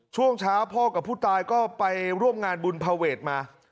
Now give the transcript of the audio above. ช่วงเช้าพ่อกับผู้ตายก็ไปร่วมงานบุญภาเวทมา